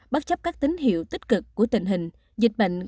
bất chấp các tín hiệu tích cực của tình hình dịch bệnh